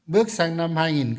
bước sang năm hai nghìn hai mươi